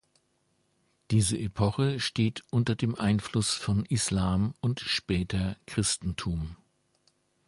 Diese Epoche steht unter dem Einfluss von Islam und später Christentum.